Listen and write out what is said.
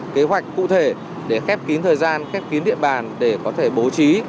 kế hoạch cụ thể để khép kín thời gian khép kín địa bàn để có thể bố trí